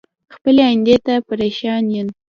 خپلې ايندی ته پریشان ين